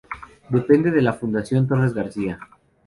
Depende de la Fundación Torres García.